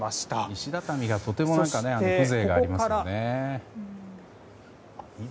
石畳がとても風情がありますね。